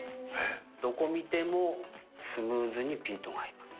どこ見てもスムーズにピントが合います。